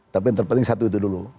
tapi yang terpenting satu itu dulu